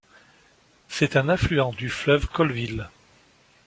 C'est un affluent du fleuve Colville.